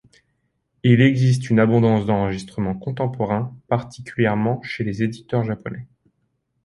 Il existe une abondance d’enregistrements contemporains, particulièrement chez les éditeurs japonais.